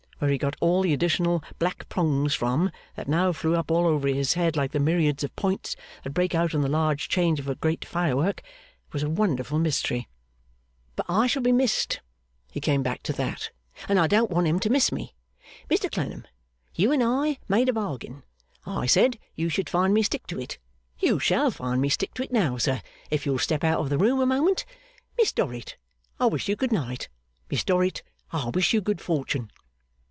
Where he got all the additional black prongs from, that now flew up all over his head like the myriads of points that break out in the large change of a great firework, was a wonderful mystery. 'But I shall be missed;' he came back to that; 'and I don't want 'em to miss me. Mr Clennam, you and I made a bargain. I said you should find me stick to it. You shall find me stick to it now, sir, if you'll step out of the room a moment. Miss Dorrit, I wish you good night. Miss Dorrit, I wish you good fortune.